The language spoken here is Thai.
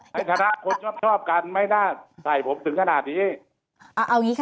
ข้างในฐานะควรชอบกันไม่น่าใส่ผมถึงขนาดนี้